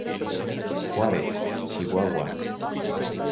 Juárez, Chihuahua.